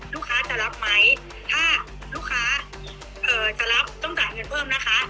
ลูกค้าจะรับไหมถ้าลูกค้าจะรับต้องจ่ายเงินเพิ่มนะคะ